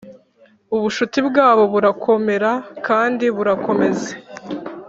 ubucuti bwabo burakomera kandi burakomeza